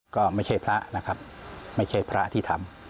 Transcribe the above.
ก็ไม่ใช่พระนะครับไม่ใช่พระที่ทำ